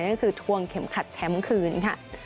ก็คือทวงเข็มขัดแชมป์คืนค่ะ